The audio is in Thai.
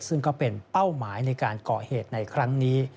ซึ่งก็เป็นเป้าหมายในการก่อเหตุในครั้งนี้